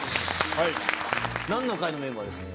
何の会のメンバーですか？